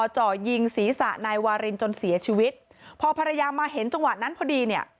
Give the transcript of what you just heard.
จ่อยิงศีรษะนายวารินจนเสียชีวิตพอภรรยามาเห็นจังหวะนั้นพอดีเนี่ย